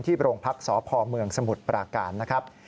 โรงพักษพเมืองสมุทรปราการนะครับ